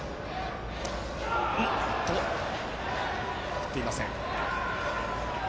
振っていません。